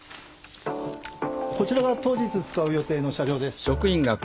こちらが当日使う予定の車両です。